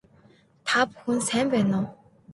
Та бүхэн сайн байна уу